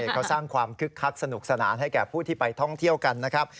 เขาสร้างความคึกคักสนุกสนานให้แก่ผู้ที่ไปท่องเที่ยวกันนะครับ